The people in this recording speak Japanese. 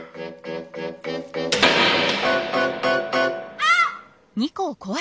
あっ！